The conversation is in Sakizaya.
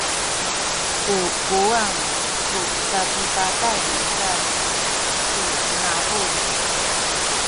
u kuwang ku sapipatay niza tu ngabul.